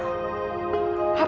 didikan orang tua kamu